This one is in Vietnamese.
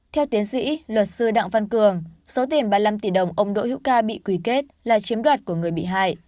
theo tiến sĩ luật sư đặng văn cường số tiền ba mươi năm tỷ đồng ông đỗ hữu ca bị quỳ kết là chiếm đoạt của người bị hại